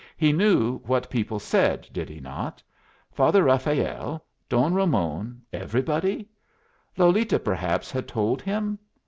He knew what people said did he not? Father Rafael, Don Ramon, everybody? Lolita perhaps had told him?